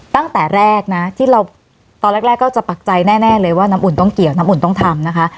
ตั้งแต่แรกนะที่เราตอนแรกก็จะปักใจแน่เลยว่าน้ำอุ่นต้องเกี่ยวน้ำอุ่นต้องทำนะคะ